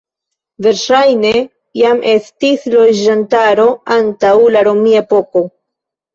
Verŝajne jam estis loĝantaro antaŭ la romia epoko.